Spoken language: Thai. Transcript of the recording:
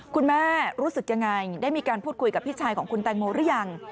คุณแม่รู้สึกยังไงได้มีการพูดคุยกับพี่ชายของคุณแตงโมหรือยัง